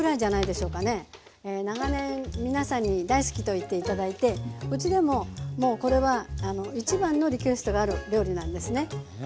長年皆さんに大好きと言って頂いてうちでももうこれは一番のリクエストがある料理なんですね。